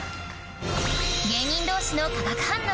芸人同士の化学反応